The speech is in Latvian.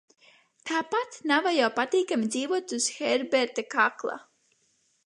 Tāpat nava jau patīkami dzīvot uz Herberta kakla.